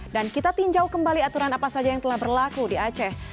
dan kita tinjau kembali aturan apa saja yang telah berlaku di aceh